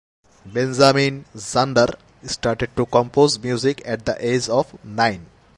Benjamin Zander started to compose music at the age of nine.